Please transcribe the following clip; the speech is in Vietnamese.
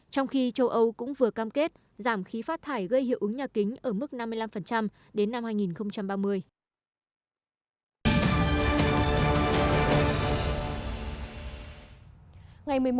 trong khi châu âu cũng vừa cam kết giảm khí phát thải gây hiệu ứng nhà kính ở mức năm mươi năm đến năm hai nghìn ba mươi